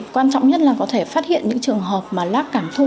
quan trọng nhất là có thể phát hiện những trường hợp mà lát cảm thụ